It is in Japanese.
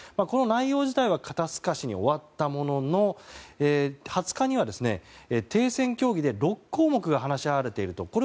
この内容自体は肩透かしに終わったものの２０日には停戦協議で６項目が話し合われていると。